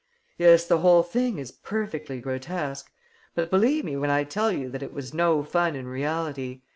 Yes, the whole thing is perfectly grotesque. But believe me when I tell you that it was no fun in reality.